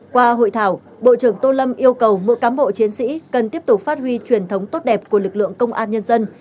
qua hội thảo bộ trưởng tô lâm yêu cầu mỗi cám bộ chiến sĩ cần tiếp tục phát huy truyền thống tốt đẹp của lực lượng công an nhân dân